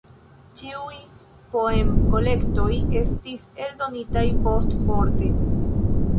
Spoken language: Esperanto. Ĉiuj poem-kolektoj estis eldonitaj postmorte.